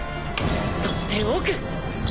そして奥！